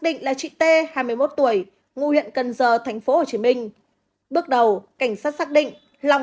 định là chị tê hai mươi một tuổi ngụ huyện cần giờ thành phố hồ chí minh bước đầu cảnh sát xác định long